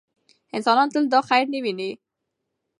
انسان تل دا خیر نه ویني.